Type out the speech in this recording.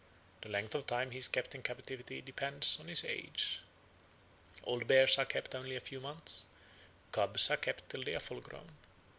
The length of time he is kept in captivity depends on his age. Old bears are kept only a few months; cubs are kept till they are full grown.